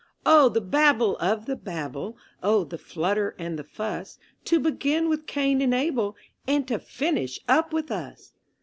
Oh the babble of the Babel! Oh, the flutter and the fuss; To begin with Cain and Abel, And to finish up with us!